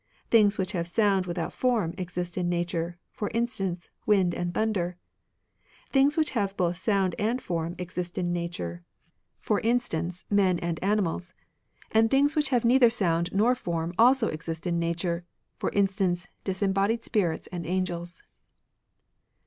Things which have sound without form exist in nature ; for instance, wind, and thunder. Things which have both sound and form exist in nature ; for 69 RELIGIONS OP ANCIENT CHINA instance, men, and animals. And things whioh have neither sound nor form also exist in nature; for instance, disembodied spirits and angels."